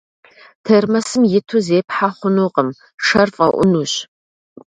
Термосым иту зепхьэ хъунукъым, шэр фӏэӏунущ.